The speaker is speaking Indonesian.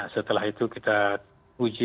setelah itu kita uji